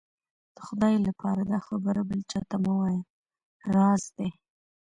د خدای لهپاره دا خبره بل چا ته مه وايه، راز دی.